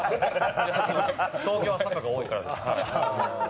東京は坂が多いからですか。